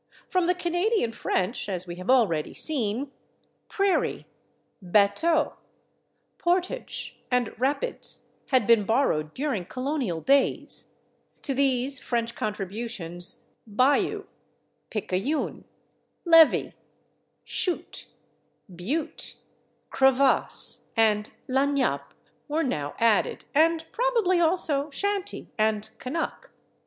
From the Canadian French, as we have already seen, /prairie/, /batteau/, /portage/ and /rapids/ had been borrowed during colonial days; to these French contributions /bayou/, /picayune/, /levee/, /chute/, /butte/, /crevasse/, and /lagniappe/ were now added, and probably also /shanty/ and /canuck